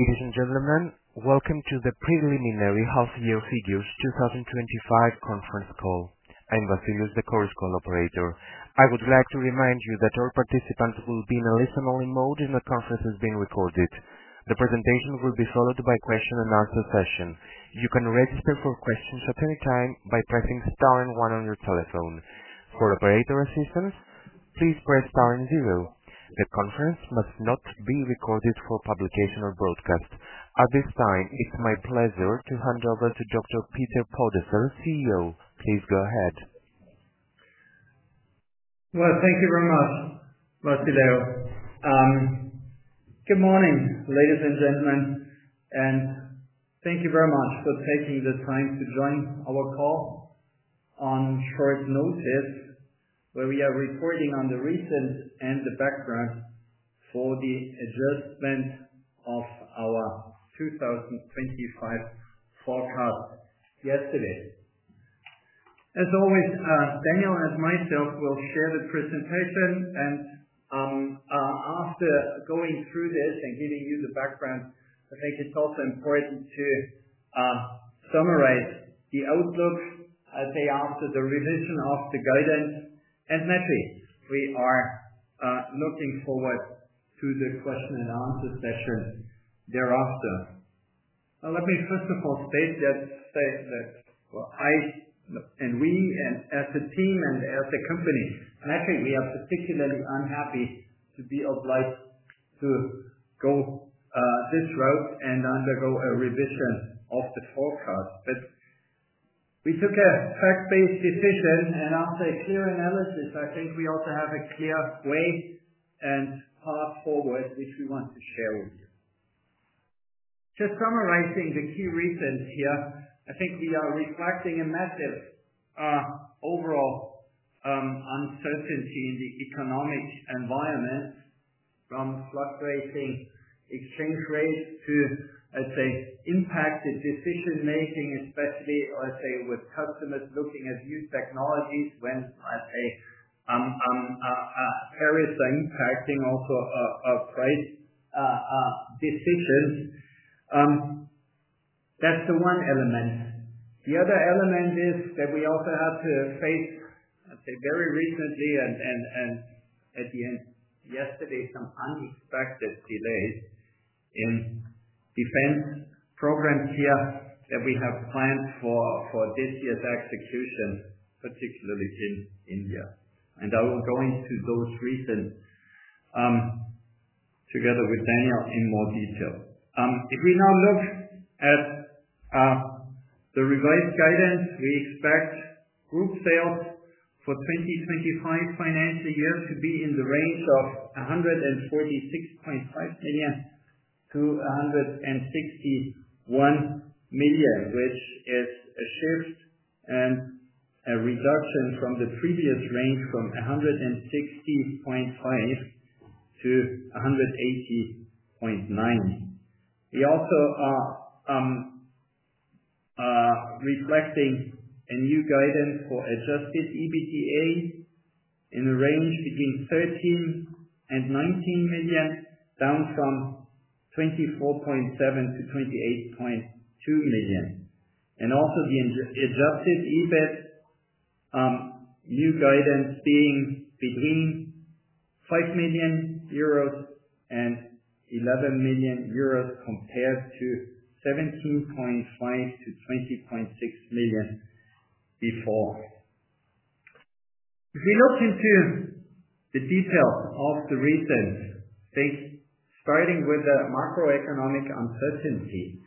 Ladies and gentlemen, welcome to the preliminary half-year figures 2025 conference call. I'm Vasilios, the call's call operator. I would like to remind you that all participants will be in a listen-only mode and the conference is being recorded. The presentation will be followed by a question and answer session. You can register for questions at any time by pressing star and one on your telephone. For operator assistance, please press star and zero. The conference must not be recorded for publication or broadcast. At this time, it's my pleasure to hand over to Dr. Peter Podesser, CEO. Please go ahead. Thank you very much, Vasilios. Good morning, ladies and gentlemen, and thank you very much for taking the time to join our call on short notice where we are reporting on the recent and the background for the adjustment of our 2025 forecast yesterday. As always, Daniel and myself will share the presentation, and after going through this and giving you the background, I think it's also important to summarize the outlook a day after the revision of the guidance. Natalie, we are looking forward to the question and answer session thereafter. Now, let me first of all state that I and we, and as a team and as a company, Natalie, we are particularly unhappy to be obliged to go this route and undergo a revision of the forecast. We took a fact-based decision, and after a clear analysis, I think we also have a clear way and path forward which we want to share with you. Just summarizing the key reasons here, I think we are reflecting a massive overall uncertainty in the economic environment from fluctuating exchange rates to, I'd say, impact in decision-making, especially, I'd say, with customers looking at new technologies when a various impacting also our price decisions. That's the one element. The other element is that we also have to face, I'd say, very recently and at the end yesterday, some unexpected delays in defense programs here that we have planned for this year's execution, particularly in India. I will go into those reasons together with Daniel in more detail. If we now look at the revised guidance, we expect group sales for 2025 financial year to be in the range of 146.5 million to 161 million, which is a shift and a reduction from the previous range from 160.5 million to 180.9 million. We also are reflecting a new guidance for adjusted EBITDA in a range between 13 million and 19 million, down from 24.7 million to 28.2 million. Also, the adjusted EBIT, new guidance being between 5 million euros and 11 million euros compared to 17.5 million to 20.6 million before. If we look into the details of the reasons, I think starting with the macroeconomic uncertainty,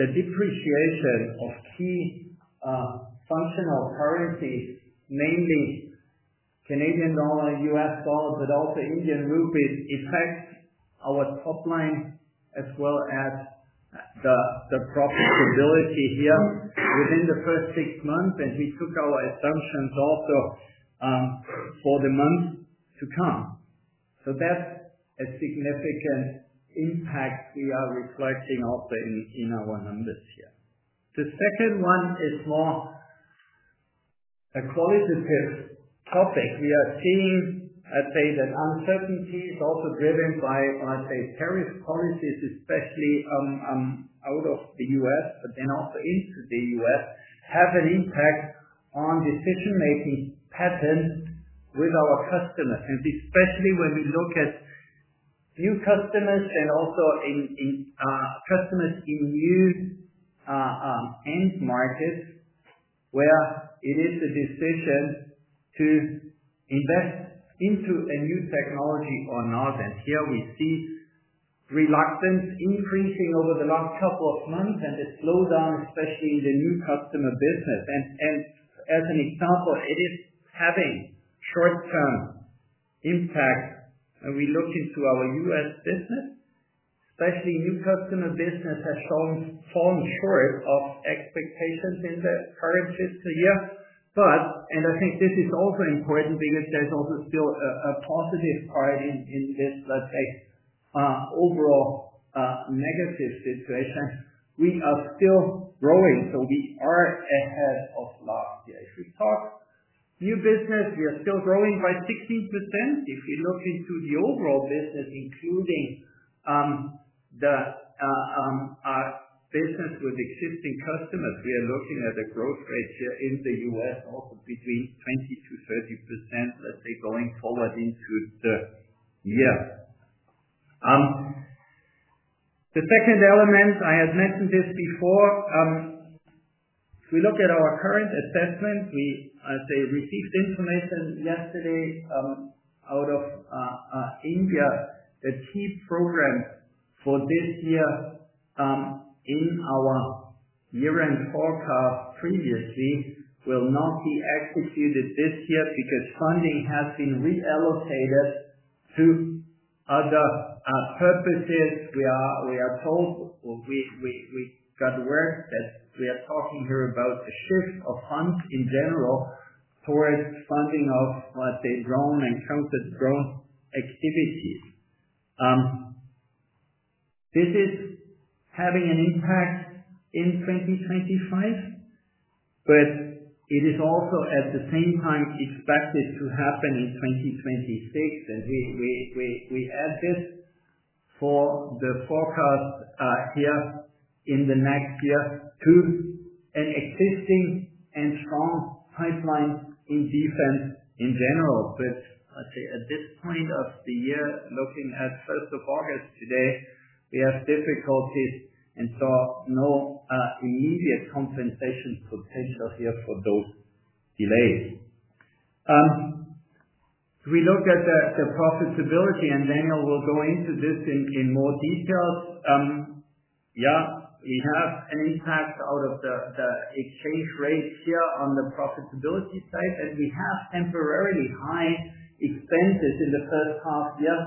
the depreciation of key functional currencies, namely Canadian dollar, U.S. dollar, but also Indian rupee, affects our top line as well as the profitability here within the first six months. We took our assumptions also for the month to come. That's a significant impact we are reflecting also in our numbers here. The second one is more a qualitative topic. We are seeing, I'd say, that uncertainty is also driven by, I'd say, tariff policies, especially out of the U.S. and then also into the U.S., have an impact on decision-making patterns with our customers. Especially when we look at new customers and also in customers in new end markets where it is a decision to invest into a new technology or not. Here we see reluctance increasing over the last couple of months, and it slows down, especially in the new customer business. As an example, it is having short-term impact. We look into our U.S. business. Especially new customer business has fallen short of expectations in the current fiscal year. I think this is also important because there's also still a positive side in this, let's say, overall negative situation. We are still growing, so we are ahead of last year. If we talk new business, we are still growing by 16%. If you look into the overall business, including the business with existing customers, we are looking at a growth rate here in the U.S. also between 20% to 30%, let's say, going forward into the year. The second element, I had mentioned this before. If we look at our current assessment, we, as I received information yesterday, out of India, the key program for this year, in our year-end forecast previously will not be executed this year because funding has been reallocated to other purposes. We are told, or we got word that we are talking here about a shift of funds in general towards funding of, let's say, drone and counter-drone activities. This is having an impact in 2025, but it is also at the same time expected to happen in 2026. We add this for the forecast here in the next year to an existing and strong pipeline in defense in general. At this point of the year, looking at 1st of August today, we have difficulties and saw no immediate compensation potential here for those delays. If we look at the profitability, and Daniel will go into this in more detail, we have an impact out of the exchange rate here on the profitability side, and we have temporarily high expenses in the first half year.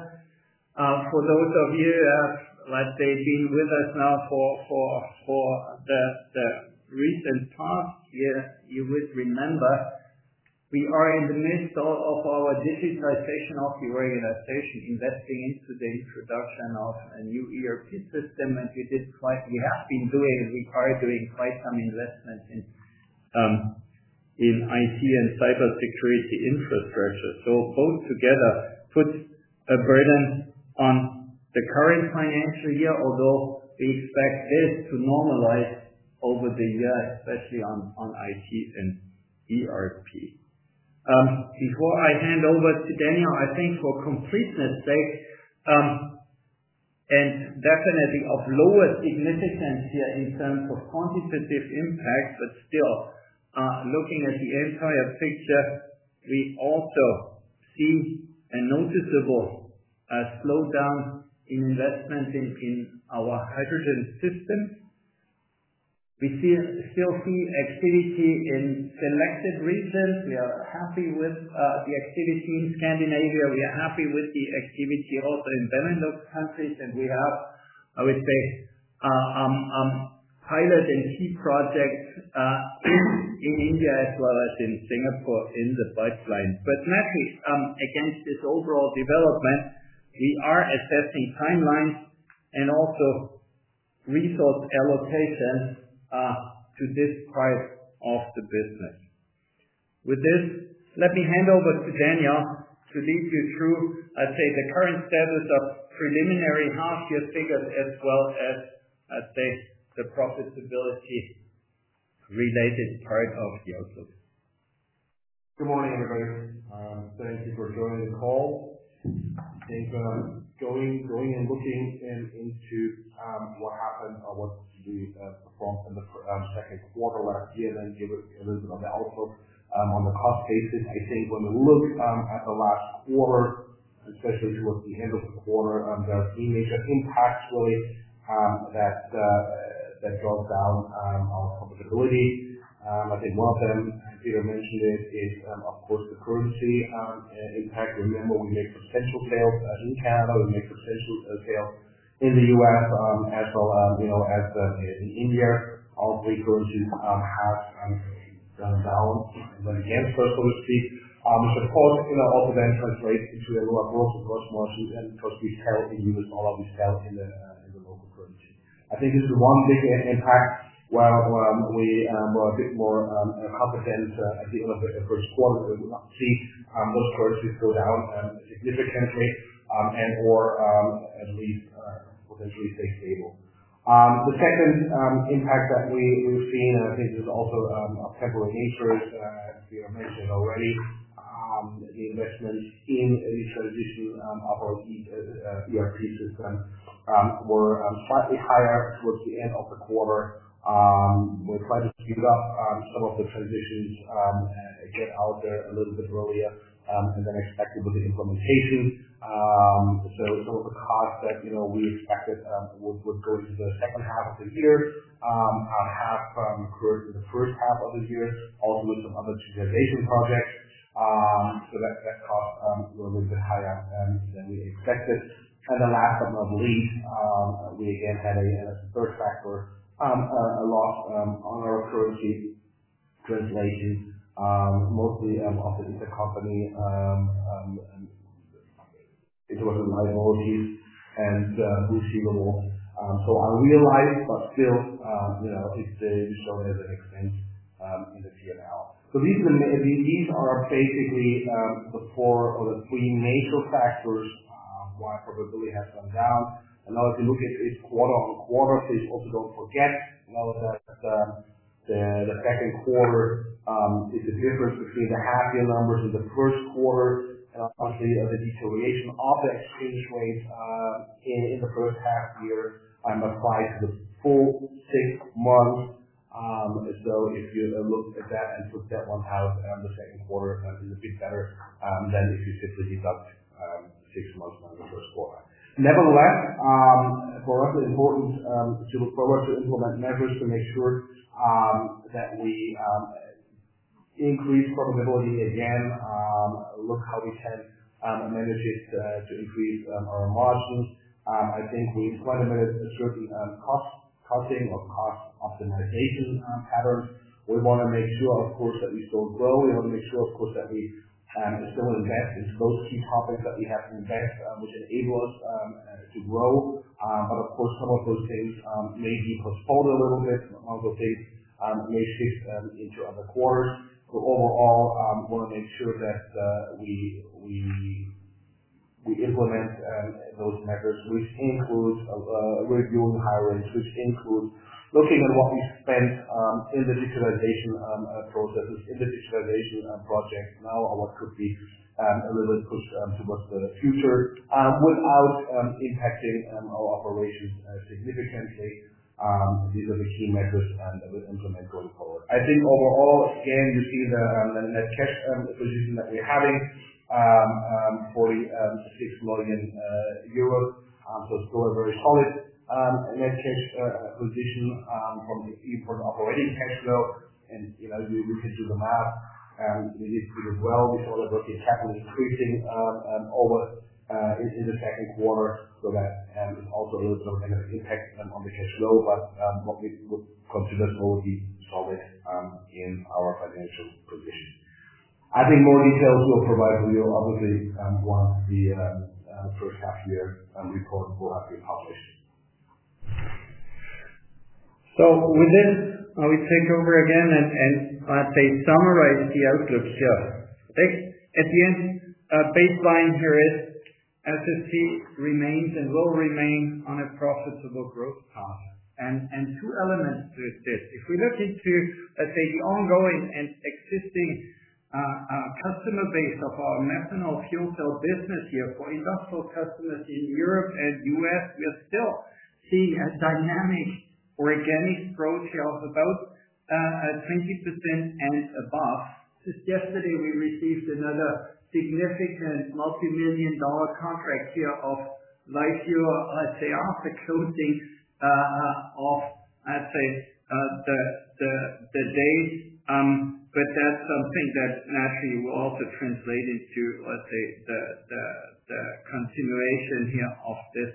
For those of you who have, let's say, been with us now for the recent past year, you would remember we are in the midst of our digitization of the organization, investing into the introduction of a new ERP system. We have been doing quite some investments in IT and cybersecurity infrastructure. Altogether, this puts a burden on the current financial year, although we expect this to normalize over the year, especially on IT and ERP. Before I hand over to Daniel, I think for completeness's sake, and definitely of lowest significance here in terms of quantitative impact, but still looking at the entire picture, we also see a noticeable slowdown in investments in our hydrogen system. We still see activity in selected regions. We are happy with the activity in Scandinavia. We are happy with the activity also in Benelux countries. We have, I would say, piloting key projects in India as well as in Singapore in the pipeline. Natalie, against this overall development, we are assessing timelines and also resource allocation to this part of the business. With this, let me hand over to Daniel to lead you through, I'd say, the current status of preliminary half-year figures as well as, I'd say, the profitability-related part of the outlook. Good morning, everybody. Thank you for joining the call. Thank you for going and looking into what happened or what you performed in the second quarter where GLN gave a little bit of the outlook on the cost basis. I think when we look at the last quarter, especially towards the end of the quarter, there are three major impacts really that broke down our profitability. I think one of them, Peter mentioned it, is, of course, the currency impact. Remember, we made substantial sales in Canada. We made substantial sales in the U.S. as well, you know, as in India. All three currencies have gone down when it comes to currency. Because all the benchmarks rate into the lower broad for George Washington because we sell in the U.S. dollar, we sell in the local currency. I think this is the one bigger impact where we are a bit more competent at the end of the first quarter. We're going to see those currencies go down significantly and/or at least potentially stay stable. The second impact that we've seen, I think, is also temporary nature. We are mentioning already the investments in a new transition of our ERP system were slightly higher towards the end of the quarter. We're excited to read about the transitions and get out there a little bit earlier and then expect a little bit of implementation. There was a cost that, you know, we expected would go into the second half of the year. Our half occurred in the first half of the year, also with some other digitization projects, so that cost was a little bit higher than we expected. Last but not least, we again had a third factor, a loss on our currency, translating mostly off of intercompany interesting liabilities and receivables. Unrealized, but still, you know, it's still grown to an extent in the P&L. These are basically the core or the three major factors why profitability has gone down. Now if you look at each quarter on quarter, please also don't forget that the second quarter is the difference between the half-year numbers in the first quarter and obviously the deterioration of the exchange rates in the first half-year applied to the full six months. If you look at that and put that one out, the second quarter is a bit better than if you stick to the six-month quarter. Nevertheless, for us, it's important to look forward to implement measures to make sure that we increase profitability again. Look how we can manage it to increase our margin. I think we've quite a bit of constructing cost-cutting or cost optimization patterns. We want to make sure, of course, that we don't grow. We want to make sure, of course, that we don't invest in those key problems that we have invested, which enable us to grow. Of course, some of those things may be postponed a little bit. Some of those things may shift into other quarters. Overall, we want to make sure that we implement those measures, which include reviewing hiring, which include looking at what we spend in the digitization processes, in the digitization project, now or what could be a little bit pushed towards the future without impacting our operations significantly because of the key measures that we implement going forward. I think overall, again, you see the net cash position that we're having for the 6 million euros. It's still a very solid net cash position from operating cash flow. You know, you can do the math. You do it well with all of what we have on the screening over in the second quarter. That is also a little bit of an effect on the cash flow, but what we would consider to be solid in our financial position. I think more details we'll provide for you, obviously, once the first half-year report goes out to the public. With this, I will take over again and summarize the outlook here. I think at the end, a baseline here is, as I see, remains and will remain on a profitable growth path. Two elements to this. If we look into the ongoing and existing customer base of our methanol fuel cell business for industrial customers in Europe and the U.S., we are still seeing a dynamic organic growth of about 20% and above. Just yesterday, we received another significant multi-million dollar contract of Lightyear after closing of the dates. That's something that naturally will also translate into the continuation of this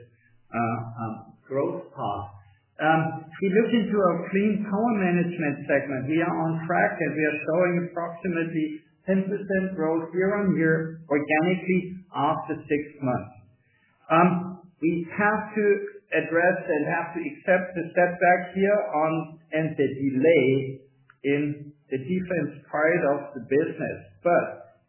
growth path. If we look into our clean power management segment, we are on track and we are showing approximately 10% growth year on year organically after six months. We have to address that. Have to accept the setback and the delay in the defense part of the business.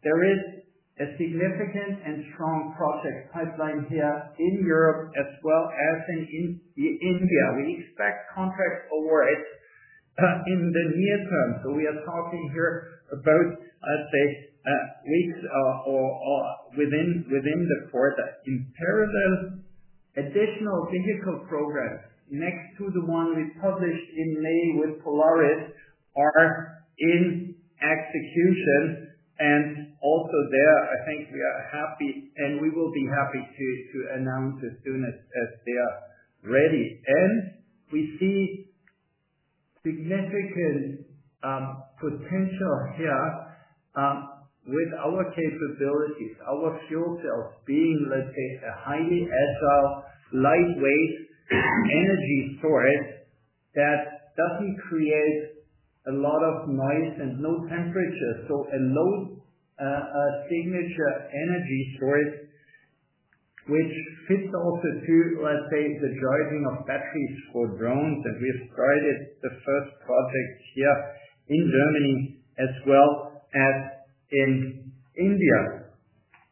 There is a significant and strong project pipeline in Europe as well as in India. We expect contracts over it in the near term. We are talking about weeks or within the quarter. In parallel, additional difficult programs next to the one we published in May with Polaris are in execution. Also there, I think we are happy and we will be happy to announce as soon as they are ready. We see significant potential with our capabilities, our fuel cells being a highly agile, lightweight energy source that doesn't create a lot of noise and no temperature. No signature energy source, which fits also to the driving of batteries for drones. We started the first project in Germany as well as in India.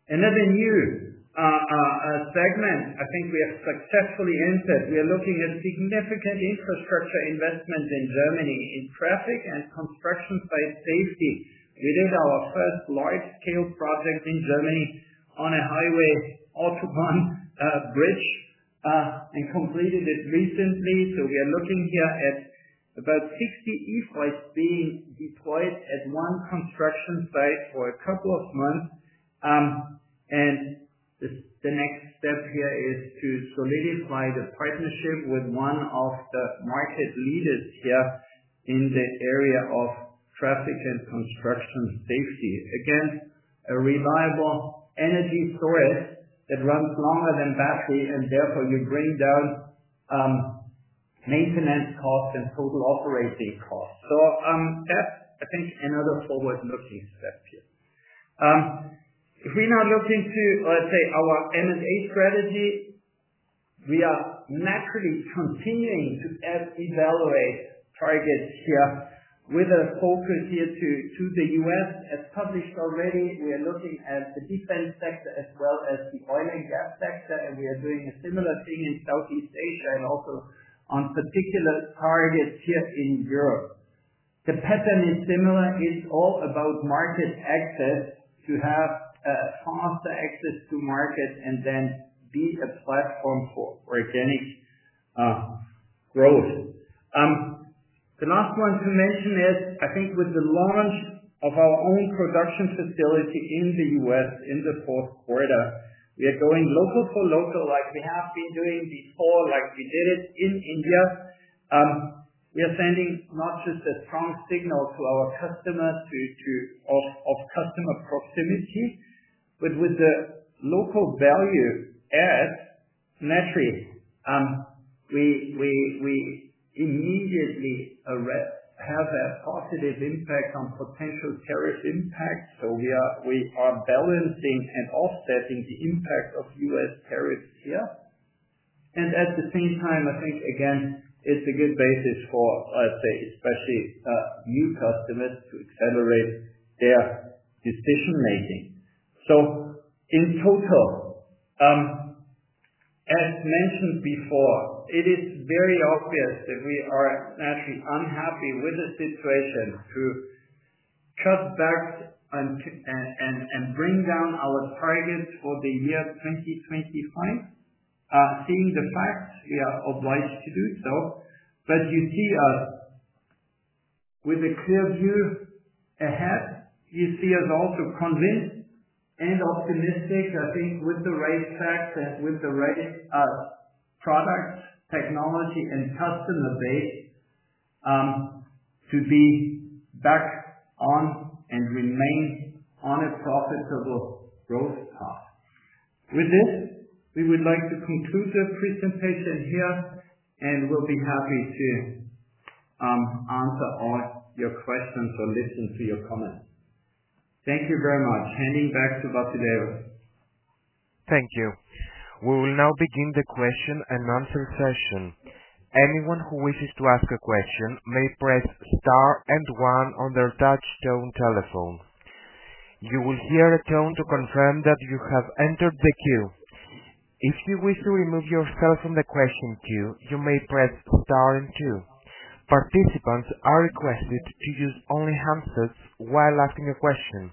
Another new segment I think we have successfully entered. We are looking at significant infrastructure investments in Germany in traffic and construction site safety. We did our first large-scale project in Germany on a highway, Autobahn bridge, and completed it recently. We are looking at about 50 e-foils being deployed at one construction site for a couple of months. The next step is to solidify the partnership with one of the market leaders in the area of traffic and construction safety against a reliable energy source that runs longer than battery, and therefore you bring down maintenance costs and total operating costs. That's another forward-looking step here. If we now look into, let's say, our M&A strategy, we are naturally continuing to add evaluation targets here with a focus here to the U.S. As published already, we are looking at the defense sector as well as the oil and gas sector, and we are doing a similar thing in Southeast Asia and also on particular targets here in Europe. The pattern is similar. It's all about market access to have a faster access to markets and then be a platform for organic growth. The last one to mention is, I think, with the launch of our only production facility in the U.S. in the fourth quarter, we are going local for local, like we have been doing before, like we did it in India. We are sending not just a strong signal to our customers of customer proximity, but with the local value add, naturally, we immediately have a positive impact on potential tariff impacts. We are balancing and offsetting the impact of U.S. tariffs here. At the same time, I think, again, it's a good basis for, let's say, especially new customers to accelerate their decision-making. In total, as mentioned before, it is very obvious that we are naturally unhappy with the situation to cut back and bring down our targets for the year 2024, seeing the facts we are obliged to do so. You see us with a clear view ahead. You see us also convinced and optimistic, I think, with the right facts and with the right products, technology, and customer base to be back on and remain on a profitable growth path. With this, we would like to conclude the presentation here, and we'll be happy to answer all your questions or listen to your comments. Thank you very much. Handing back to Vasilios. Thank you. We will now begin the question and answer session. Anyone who wishes to ask a question may press star and one on their touch-tone telephone. You will hear a tone to confirm that you have entered the queue. If you wish to remove yourself from the question queue, you may press star and two. Participants are requested to use only handsets while asking a question.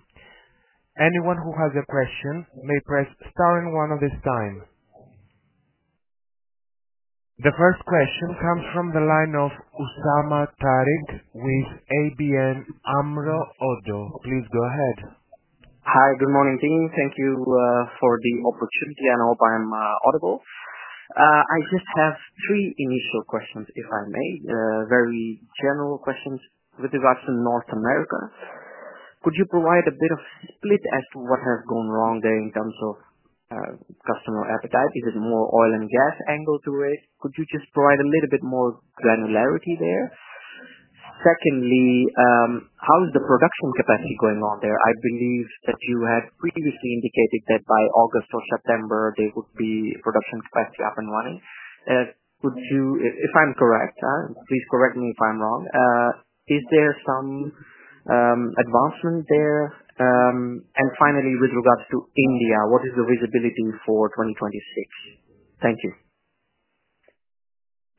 Anyone who has a question may press star and one at this time. The first question comes from the line of Usama Tariq with ABN AMRO ODDO. Please go ahead. Hi. Good morning, Dimi. Thank you for the opportunity. I hope I'm audible. I just have three initial questions, if I may. Very general questions with regards to North America. Could you provide a bit of split as to what has gone wrong there in terms of customer appetite? Is it more oil and gas angle to raise? Could you just provide a little bit more granularity there? Secondly, how is the production capacity going on there? I believe that you have previously indicated that by August or September, there would be production capacity up and running. If I'm correct, please correct me if I'm wrong, is there some advancement there? Finally, with regards to India, what is the visibility for 2026? Thank you.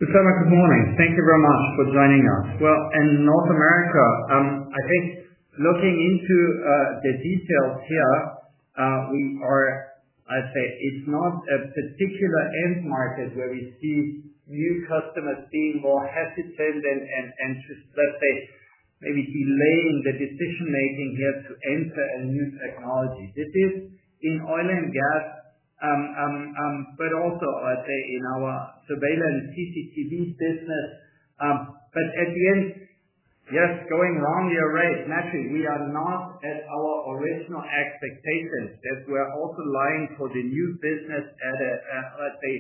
Usama, good morning. Thank you very much for joining us. In North America, looking into the details here, it's not a particular end market where we see new customers being more hesitant and maybe delaying the decision-making to enter our new technologies. It is in oil and gas, but also in our surveillance CCTV business. At the end, you're right, we are now at our original expectation that we're also lying for the new business at a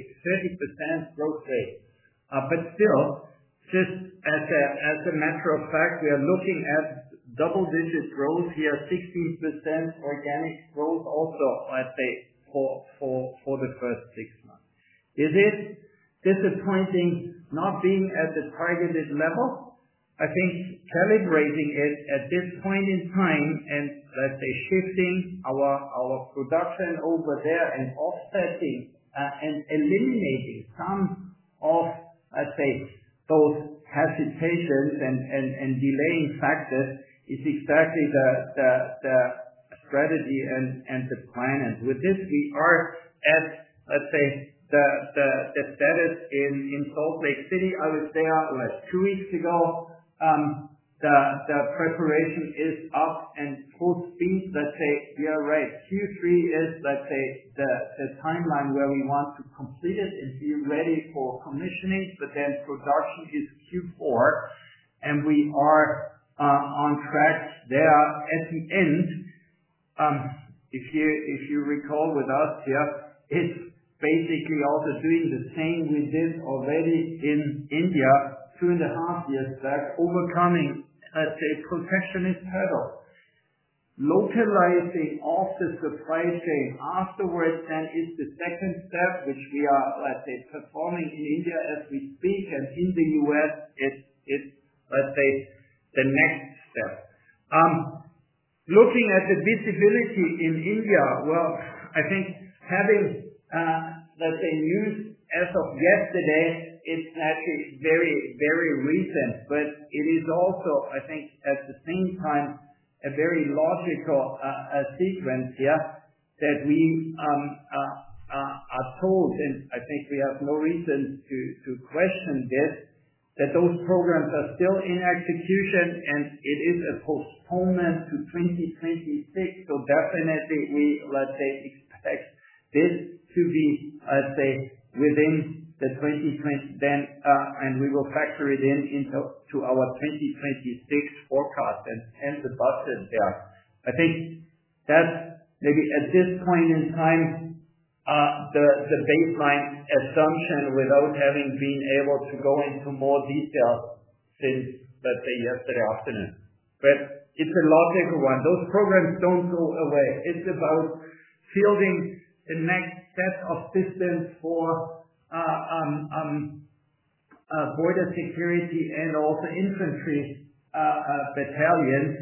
30% growth rate. Still, just as a matter of fact, we are looking at double-digit growth here, 16% organic growth also for the first six months. It is disappointing not being at the targeted level. I think calibrating it at this point in time and shifting our production over there and offsetting and eliminating some of those hesitations and delaying factors is exactly the strategy and the plan. With this, we are at the status in Salt Lake City. I was there two weeks ago. The preparation is up and full speed, we are ready. Q3 is the timeline where we want to complete it and be ready for commissioning. Production is Q4. We are on track there. At the end, if you recall with us here, it's basically also doing the same we did already in India, two and a half years back, overcoming perfectionist hurdles. Localizing off the supply chain afterwards is the second step, which we are performing in India as we speak. In the U.S., it's the next step. Looking at the visibility in India, having news as of yesterday, it's actually very, very recent. It is also, at the same time, a very logical sequence here that we are told, and I think we have no reason to question this, that those programs are still in execution and it is a postponement to 2026. Definitely, we expect this to be within the 2020 then, and we will factor it in into our 2026 forecast and the budget there. I think that's maybe at this point in time, the baseline assumption without having been able to go into more detail since yesterday afternoon. It's a logical one. Those programs don't go away. It's about building a next set of systems for border security and also infantry battalions.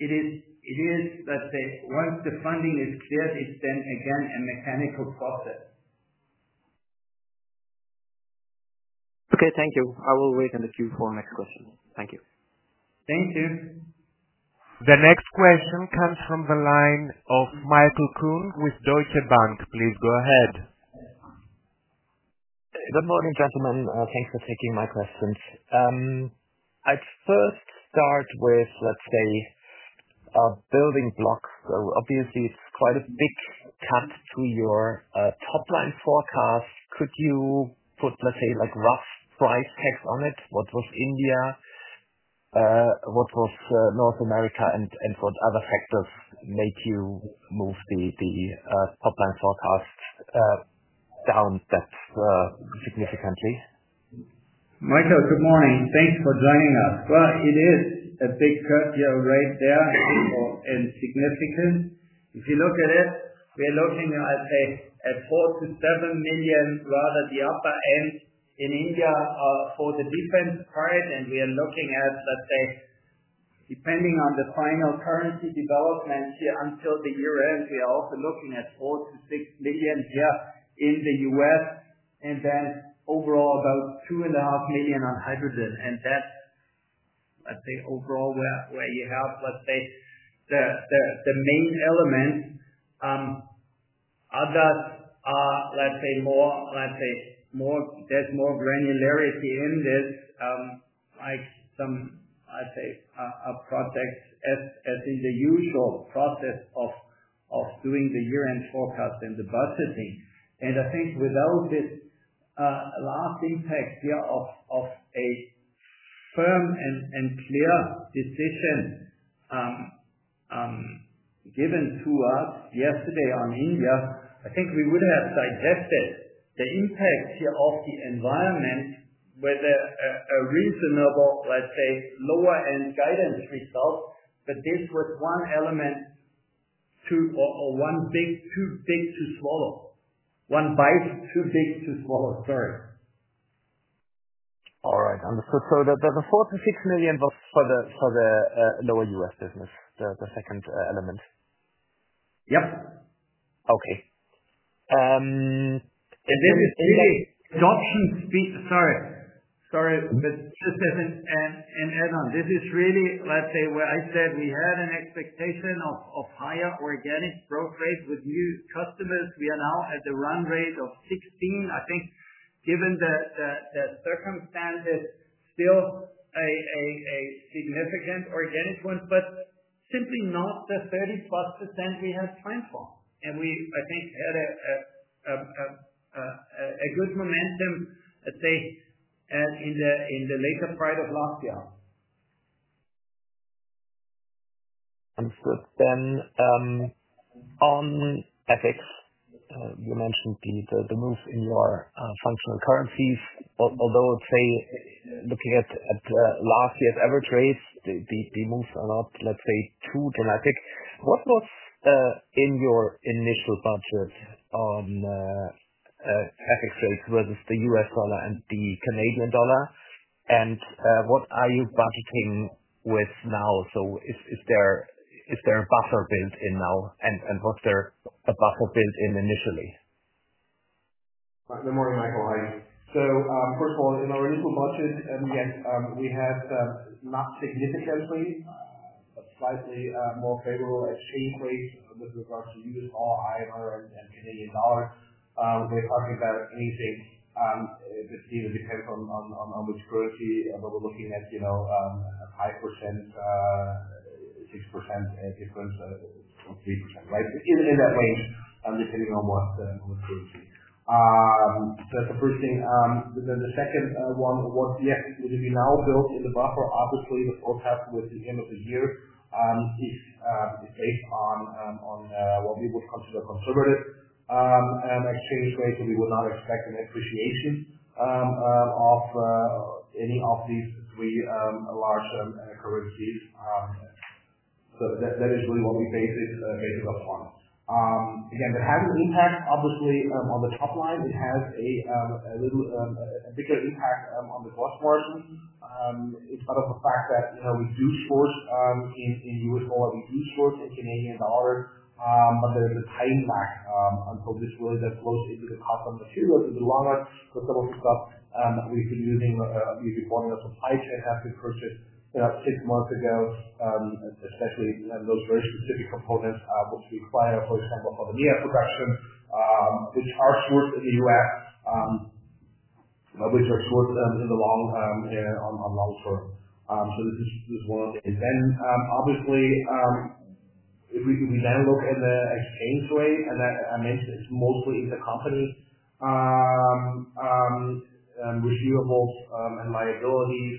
It is, once the funding is cleared, then again a mechanical process. Okay. Thank you. I will wait and assume for the next question. Thank you. Thank you. The next question comes from the line of Michael Kuhn with Deutsche Bank. Please go ahead. Good morning, gentlemen. Thanks for taking my questions. I'd first start with, let's say, building blocks. Obviously, it's quite a bit tapped through your top-line forecast. Could you put, let's say, like rough price tags on it? What was India, what was North America, and what other factors made you move the top-line forecast down significantly? Michael, good morning. Thanks for joining us. It is a big curtail right there, equal and significant. If you look at it, we're looking at, let's say, $4 million to $7 million, rather the upper end in India for the defense part. We are looking at, let's say, depending on the final currency development here until the year end, we are also looking at $4 million to $6 million here in the U.S. Overall, about $2.5 million on hydrogen. That's, let's say, overall where you have, let's say, the main elements. Others are, let's say, more, let's say, there's more granularity in this, like some, let's say, projects as in the usual process of doing the year-end forecast and the budgeting. I think without this last impact here of a firm and clear decision given to us yesterday on India, I think we would have suggested the impacts here of the environment with a reasonable, let's say, lower-end guidance result. This was one element too or one bit too big to swallow. One bite too big to swallow, sorry. All right. Understood. There's a $4 million to $6 million for the lower U.S. business, the second element. Okay. This is really, let's say, where I said we had an expectation of higher organic growth rates with new customers. We are now at the run rate of 16. I think given the circumstances, still a significant organic one, but simply not the 35% we had planned for. I think we had a good momentum, let's say, in the later part of last year. Understood. On ethics, you mentioned the moves in your functional currencies. Although, let's say, looking at last year's average rates, the moves are not, let's say, too dramatic. What was in your initial budget on ethics rates versus the U.S. dollar and the Canadian dollar? What are you budgeting with now? Is there a buffer built in now? Was there a buffer built in initially? Right. Good morning, Michael. Hi. Quick call. In our initial budget, yes, we had not significantly, but slightly more favorable as increase with regards to U.S. dollar, INR, and Canadian dollar. We're talking about ASICs. It depends on which currency, but we're looking at, you know, 5%, 6%, and different, 2 or 3%, right? In that range, depending on what the currency is. For bridging, the second one, what yet will be now built in the buffer after three to four times with the end of the year, is, based on what we would consider a conservative, and a stage rate where we would not expect an appreciation of any of these three large currencies. That is really what we base it upon. Again, the having impact, obviously, on the top line, it has a little, a bigger impact, on the growth margin. It's part of the fact that, you know, with huge growth in U.S. dollar and huge growth in Canadian dollar, but the time mark, until we're willing to go into the custom material in the long run because some of the stuff, obviously, we've been using, we've been forming a supply chain has been pushed six months ago, especially those very specific components, would require, of course, some of the near production, which are good in the U.S., which are good in the long, on long term. This is one. Obviously, it will be then looked at the exchange rate, and I mentioned it's mostly in the company. Receivables, and liabilities,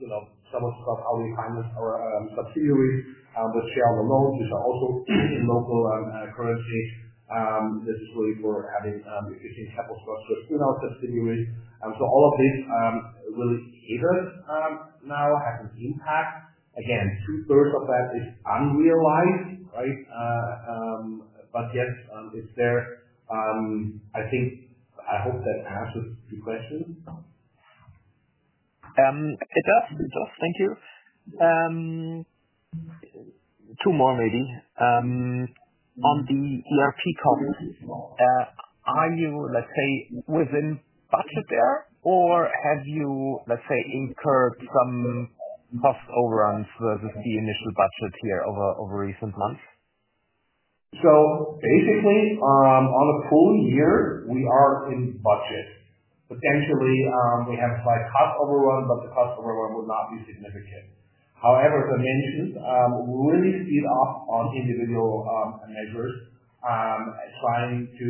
you know, some of our requirements or subsidiaries with share on the loan, which are also in local currency, basically for, I mean, you can have those customers in our subsidiaries. All of this, really catered, now has an impact. Again, two-thirds of that is unrealized, right? Yes, it's there. I think I hope that answers your question. It does. It does. Thank you. Two more, maybe. On the ERP cost, are you, let's say, within budget there, or have you, let's say, incurred some cost overruns versus the initial budget here over recent months? Basically, on a full year, we are in budget. Potentially, we have a slight cost overrun, but the cost overrun would not be significant. For instance, we really did off on individual measures, trying to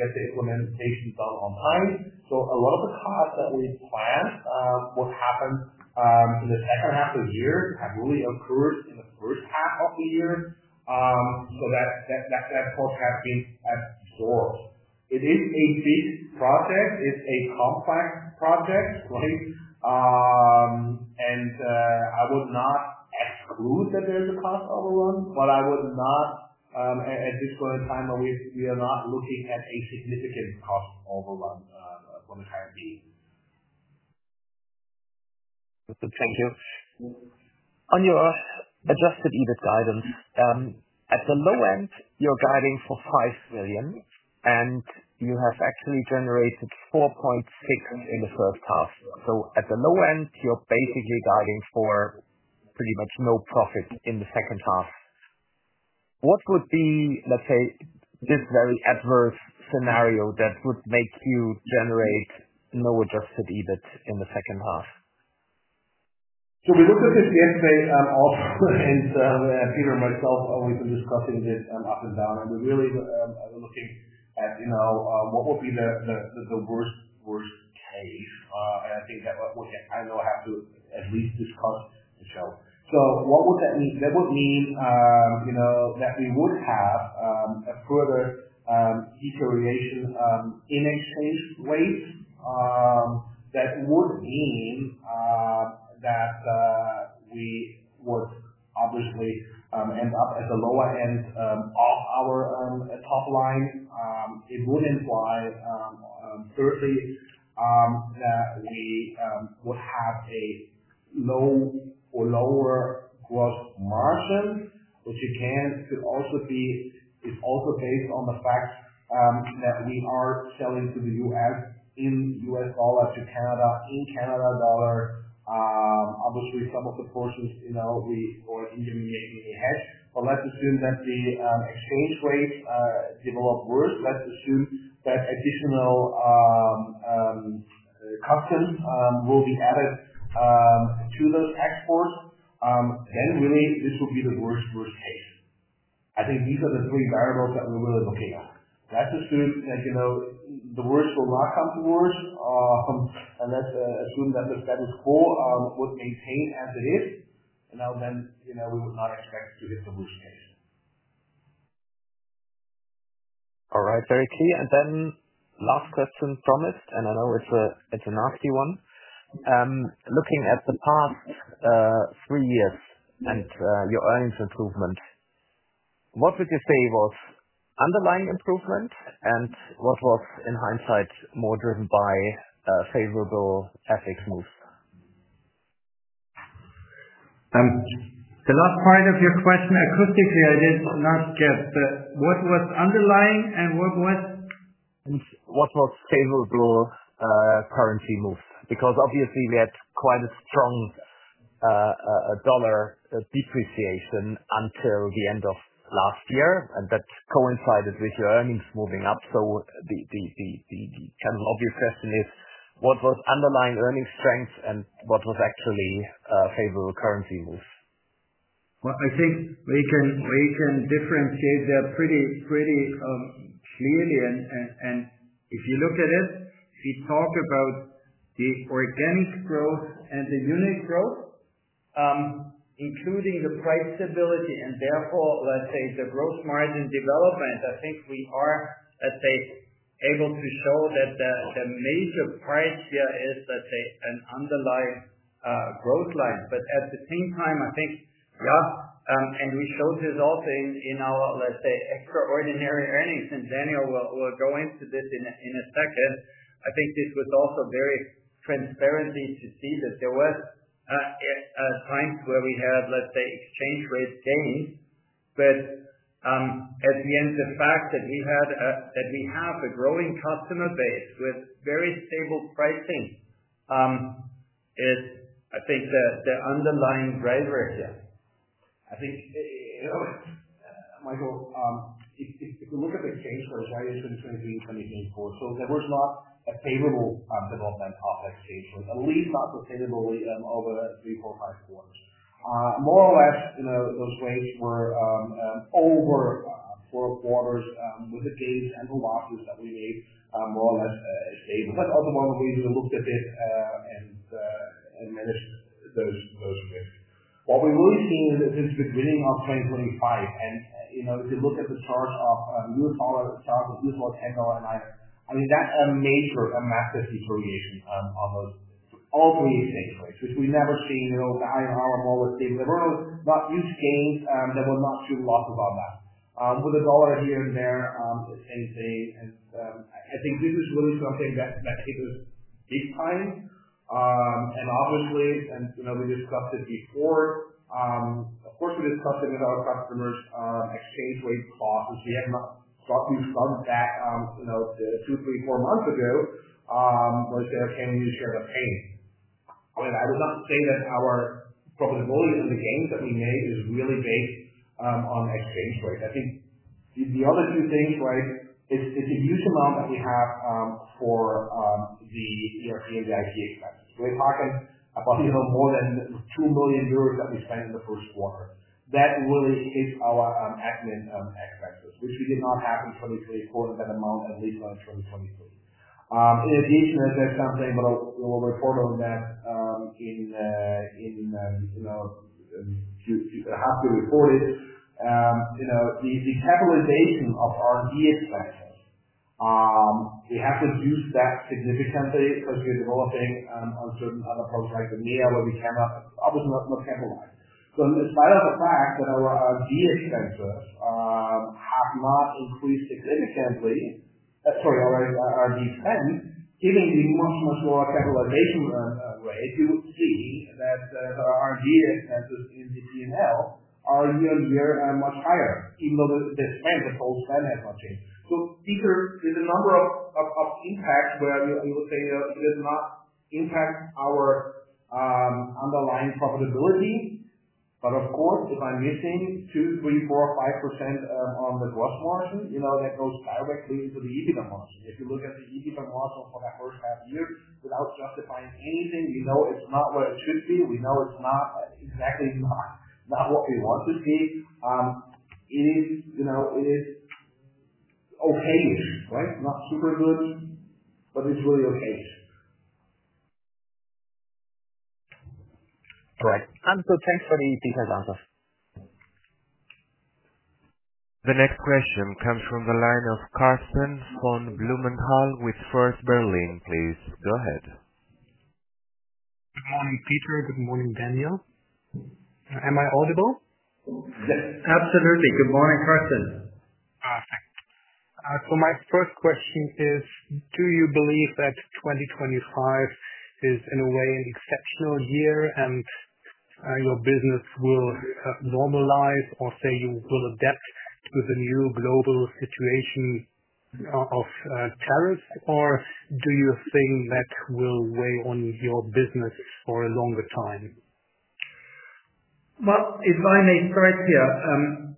get the implementation done on time. A lot of the costs that we planned would happen in the second half of the year have really accrued in the first half of the year, so that cost has been lower. It is a big project. It's a complex project, right? I would not exclude that there's a cost overrun, but at this point in time, we are not looking at a significant cost overrun on the current basis. Thank you. On your diversity with guidance, at the low end, you're guiding for 5 million, and you have actually generated 4.6 million in the first half. At the low end, you're basically guiding for pretty much no profit in the second half. What would be, let's say, this very adverse scenario that would make you generate no adjusted EBIT in the second half? We look at this yesterday. Sarah and Peter and myself always were discussing this, up and down. We really are looking at, you know, what would be the worst case. I think that what I know I have to at least discuss. What would that mean? That would mean, you know, that we would have a further deterioration in exchange rates. That would mean that we would obviously end up at the lower end of our top line. It would imply, certainly, that we would have a low or lower gross margin, which again could also be, is also based on the fact that we are selling to the U.S. in U.S. dollar, to Canada in Canadian dollar. Obviously, some of the portions, you know, we were even ahead. Let's assume that the exchange rates develop worse. Let's assume that additional customs will be added to the export. Really, this would be the worst, worst case. I think these are the three variables that we're really looking at. Let's assume, as you know, the worst will not come to worst. Let's assume that the status quo would maintain as it is. Now then, you know, we would not expect to get the worst case. All right, very key. Last question, promised, and I know it's a generosity one. Looking at the past three years and your earnings improvement, what would you say was underlying improvement and what was in hindsight more driven by favorable FX moves? The last part of your question, acoustically, I did not get. What was underlying and what was? What was favorable, currency moves? Because obviously, we had quite a strong dollar depreciation until the end of last year. That coincided with your earnings moving up. The kind of obvious question is, what was underlying earnings strength and what was actually favorable currency moves? I think we can differentiate that pretty clearly. If you look at it, if you talk about the organic growth and the unit growth, including the price stability, and therefore, let's say, the gross margin development, I think we are able to show that the major price here is, let's say, an underlying growth line. At the same time, I think, yeah, and we show this also in our, let's say, extraordinary earnings. Daniel will go into this in a second. I think this was also very transparent to see that there was a point where we had, let's say, exchange rate change. At the end, the fact that we have a growing customer base with very stable pricing is, I think, the underlying driver here. I think, you know, Michael, if you look at the shape of the 2023 and 2024 quarter, there was not a favorable development of that shape, at least not sustainably over 3,4,5 quarters. More or less, you know, those growths were, over four quarters, with the gains and the losses that we made, more or less stable. Ultimately, we even looked at it and managed those dips. What we really see is this beginning of 2025. If you look at the chart of, U.S. dollar chart with U.S. dollar to 10 dollar an hour, I think that a major amount of depreciation on those all three exchange rates, which we've never seen in all the INR and all the things. There were not these changes. They were not too lucky on that. With the dollar here and there, and I think this is really something that, let's say, this is deep time. Obviously, and, you know, we discussed it before. Of course, we discussed it with our customers, exchange rate spots. If we had not stopped you from that, you know, the 2,3,4months ago, but it's a shame we share the pain. I would not say that our profitability and the gains that we made is really based on exchange rate. I think the other two things, right, is it's a huge amount that we have for the ERP and the IT expense. We're talking about, you know, more than 2 million euros that we spend in the first quarter. That really is our admin expenses, which we did not have until we say quarter that amount of April and showed in 2023. In addition, that's something we'll report on that, in, in, you know, in a few, a half we reported. You know, the capitalization of R&D expenses, we have to reduce that significantly compared to developing on certain other parts like the MIRA where we cannot, obviously, not capitalize. In spite of the fact that our R&D expenses have not increased significantly, as far as our R&D spends, given the much, much lower capitalization rate, we would see that our R&D expenses in the P&L are year on year much higher, even though the spend the whole time has not changed. These are the number of impacts where you would say it does not impact our underlying profitability. Of course, if I'm missing 2%, 3%, 4%, 5% on the gross margin, that goes directly into the EBITDA margin. If you look at the EBITDA margin for the first half of the year without justifying anything, we know it's not where it should be. We know it's not exactly not what we want to see. It is, you know, it is okay, right? Not super good, but it's really okay. All right. Daniel, thanks for the detailed answer. The next question comes from the line of Karsten von Blumenthal with First Berlin. Please go ahead. Good morning, Peter. Good morning, Daniel. Am I audible? Yes, absolutely. Good morning, Karsten. Okay. My first question is, do you believe that 2025 is in a way an exceptional year and your business will normalize, or you will adapt to the new global situation of tariffs? Do you think that will weigh on your business for a longer time? If I may start here,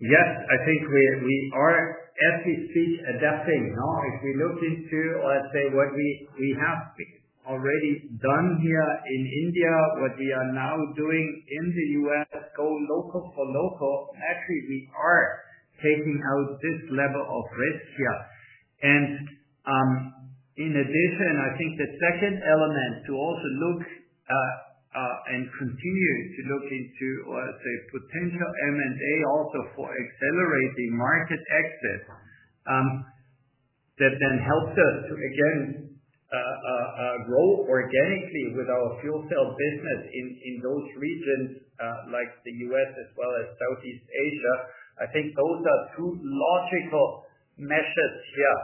yes, I think we are, as we speak, adapting. Now, if you look into, let's say, what we have already done here in India, what we are now doing in the U.S., go local for local, actually, we are taking out this level of risk here. In addition, I think the second element to also look, and continue to look into, let's say, potential M&A also for accelerating market exit. That then helps us to, again, grow organically with our fuel cell business in those regions, like the U.S. as well as Southeast Asia. I think those are two logical measures here.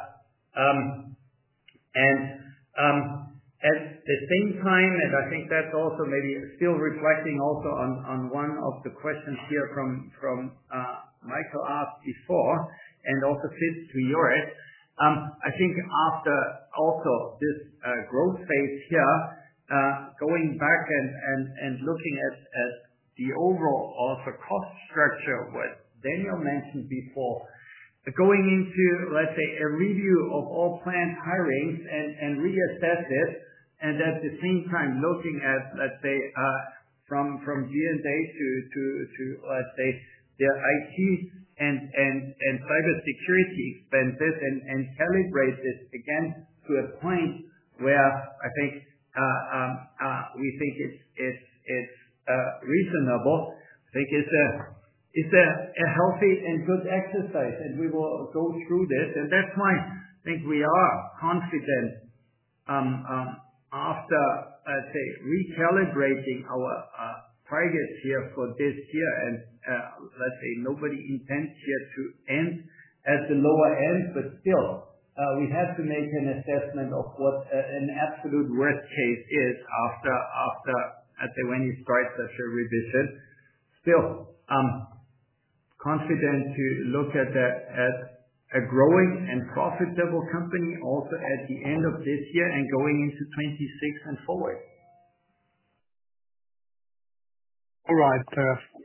At the same time, and I think that's also maybe still reflecting also on one of the questions here from Michael asked before and also fits to yours. I think after also this growth phase here, going back and looking at the overall also cost structure, what Daniel mentioned before, going into, let's say, a review of all planned hirings and reassess this. At the same time, looking at, let's say, from G&A to their IT and cybersecurity expenses and calibrate this again to a point where I think, we think it's reasonable. I think it's a healthy and good exercise. We will go through this. That's why I think we are confident, after, let's say, recalibrating our targets here for this year. Nobody intends here to end at the lower end, but still, we have to make an assessment of what an absolute worst case is after, when you start such a revision. Still, confident to look at a growing and profitable company also at the end of this year and going into 2026 and forward. All right.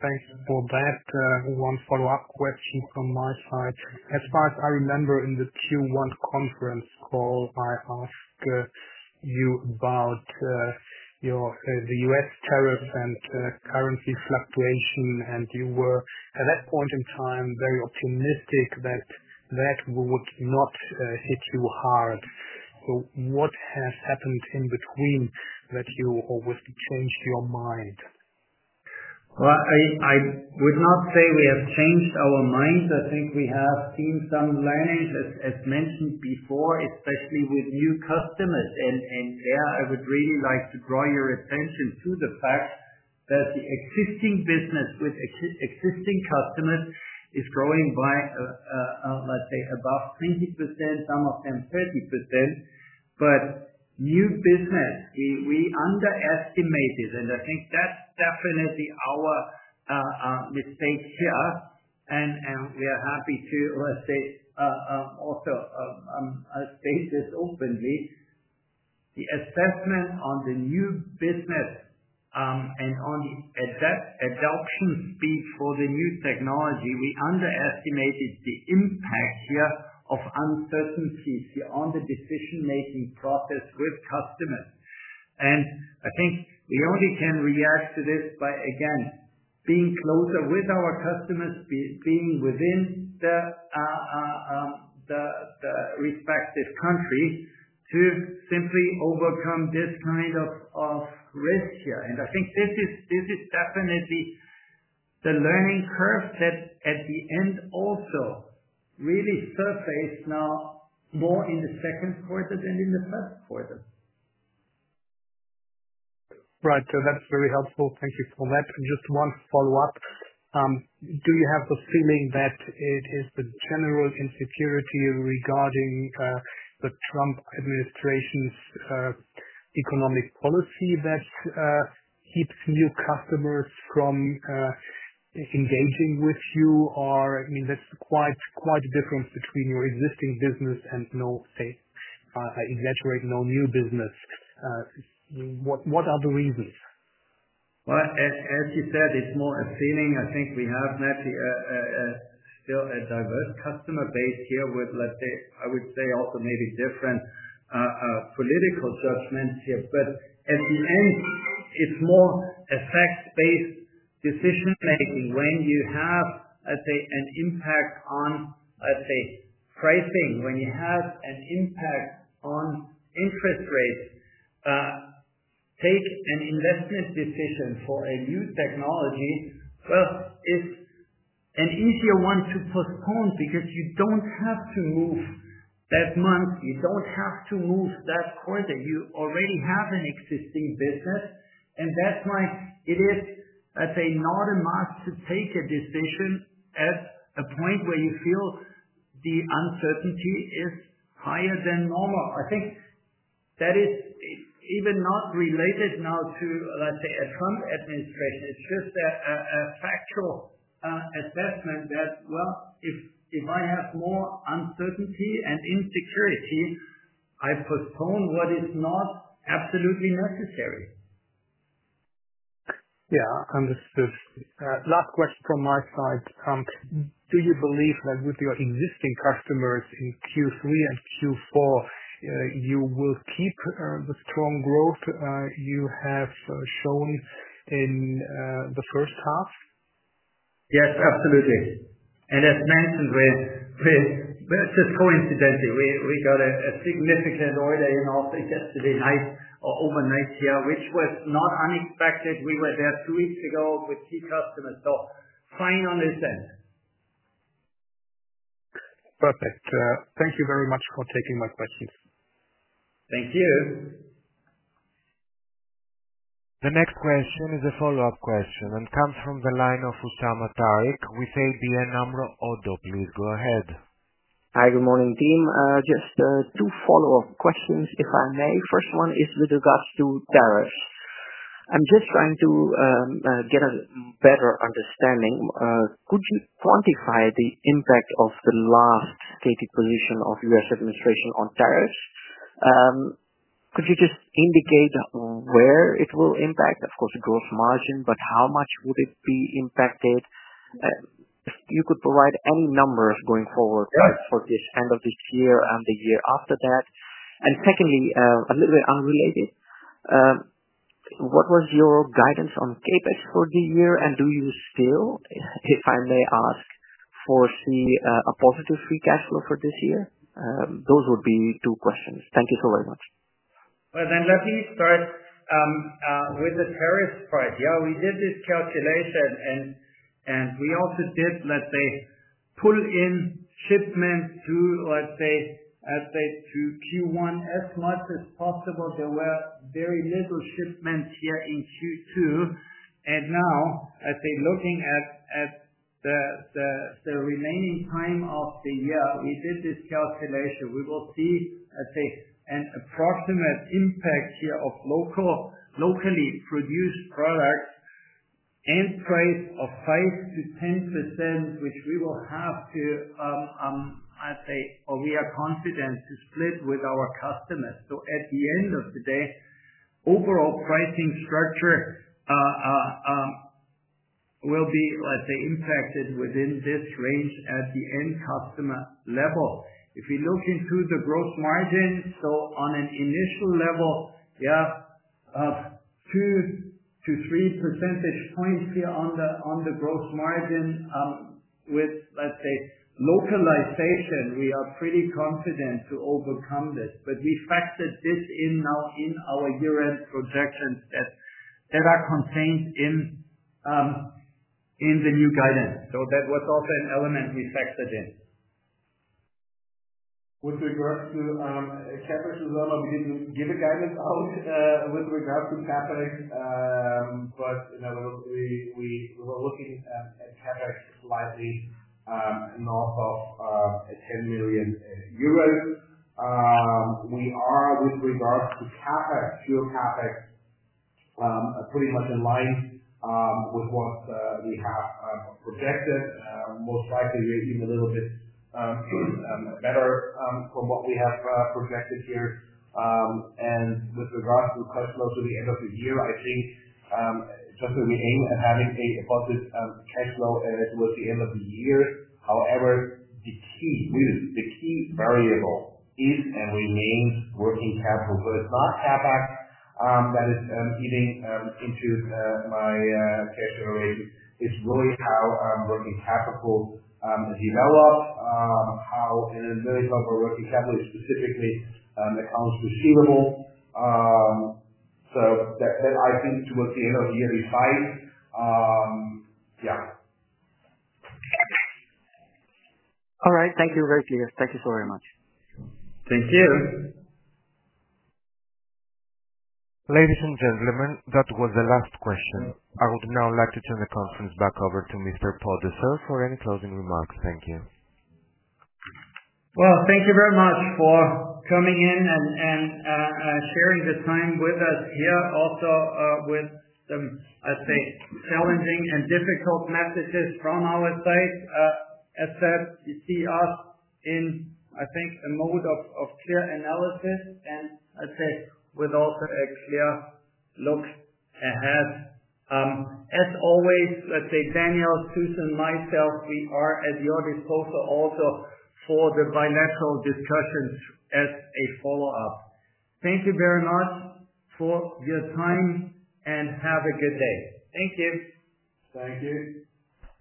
Thanks for that. One follow-up question from my side. As far as I remember, in the Q1 conference call, I asked you about the U.S. tariffs and currency fluctuation. You were, at that point in time, very optimistic that that would not hit you hard. What has happened in between that you always change your mind? I would not say we have changed our minds. I think we have seen some learnings, as mentioned before, especially with new customers. I would really like to draw your attention to the fact that the existing business with existing customers is growing by, let's say, above 20%, some of them 30%. New business, we underestimated. I think that's definitely our mistake here. We are happy to also state this openly. The assessment on the new business and on the adoption speed for the new technology, we underestimated the impact here of uncertainties on the decision-making process with customers. I think we only can react to this by, again, being closer with our customers, being within the respective country to simply overcome this kind of risk here. I think this is definitely the learning curve that at the end also really surfaced now more in the second quarter than in the first quarter. Right. That's very helpful, thank you for that. Just one follow-up. Do you have the feeling that it is the general insecurity regarding the Trump administration's economic policy that keeps new customers from engaging with you? I mean, that's quite a difference between your existing business and no faith. I exaggerate, no new business. What are the reasons? As you said, it's more a feeling. I think we have a diverse customer base here with, let's say, maybe different political judgments here. At the end, it's more a fact-based decision-making. When you have, let's say, an impact on pricing, when you have an impact on interest rates, take an investment decision for a new technology. First, it's an easier one to postpone because you don't have to move that month. You don't have to move that quarter. You already have an existing business. That's why it is, let's say, not a must to take a decision at a point where you feel the uncertainty is higher than normal. I think that is even not related now to, let's say, a Trump administration. It's just a factual assessment that if I have more uncertainty and insecurity, I postpone what is not absolutely necessary. Yeah. Understood. Last question from my side. Do you believe that with your existing customers in Q3 and Q4, you will keep the strong growth you have shown in the first half? Yes, absolutely. As mentioned, we just coincidentally got a significant order in office yesterday night or overnight here, which was not unexpected. We were there two weeks ago with key customers, so fine on this end. Perfect. Thank you very much for taking my questions. Thank you. The next question is a follow-up question and comes from the line of Usama Tariq with ABN AMRO ODDO. Please go ahead. Hi. Good morning, team. Just two follow-up questions, if I may. First one is with regards to tariffs. I'm just trying to get a better understanding. Could you quantify the impact of the last stated position of the U.S. administration on tariffs? Could you just indicate where it will impact, of course, the gross margin, but how much would it be impacted? You could provide any numbers going forward for this end of this year and the year after that. Secondly, a little bit unrelated, what was your guidance on CapEx for the year? Do you still, if I may ask, foresee a positive free cash flow for this year? Those would be two questions. Thank you so very much. Let me start with the tariff part. We did this calculation. We also did, let's say, pull in shipments through, let's say, to Q1 as much as possible. There were very little shipments here in Q2. Now, as they're looking at the remaining time of the year, we did this calculation. We will see, let's say, an approximate impact here of locally produced products and price of 5-10%, which we will have to, I'd say, or we are confident to split with our customers. At the end of the day, overall pricing structure will be, let's say, impacted within this range at the end customer level. If we look into the gross margins, so on an initial level, 2-3 percentage points here on the gross margin. With, let's say, localization, we are pretty confident to overcome this. We factored this in now in our year-end projections that are contained in the new guidance. That was also an element we factored in. With regards to Shepherd's as well, we didn't give a guidance out, with regards to CapEx. You know, we were looking at CapEx slightly north of 10 million euros. We are, with regards to CapEx, still CapEx pretty much in line with what we have projected. Most likely, we're even a little bit better from what we have projected here. With regards to customers at the end of the year, I think it's something we aim at having a positive cash flow at the end of the year. However, the key really, the key variable is and remains working capital. It's not CapEx that is feeding into my characterization. It's really how working capital is developed. The main problem of working capital is specifically accounts receivable. I think towards the end of the year we find. Yeah. All right. Thank you very much. Thank you so very much. Thank you. Ladies and gentlemen, that was the last question. I would now like to turn the conference back over to Mr. Podesser for any closing remarks. Thank you. Thank you very much for coming in and sharing the time with us here. Also, with the, I'd say, challenging and difficult messages from our side. As said, you see us in, I think, a mode of clear analysis and, I'd say, with also a clear look ahead. As always, let's say, Daniel Saxena, myself, we are at your disposal also for the bilateral discussions as a follow-up. Thank you very much for your time and have a good day. Thank you. Thank you.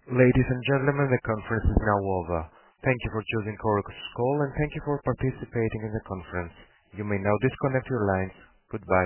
Ladies and gentlemen, the conference is now over. Thank you for choosing Chorus Call and thank you for participating in the conference. You may now disconnect your lines. Goodbye.